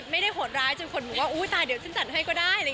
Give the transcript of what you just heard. โหดร้ายจนคนบอกว่าอุ๊ยตายเดี๋ยวฉันจัดให้ก็ได้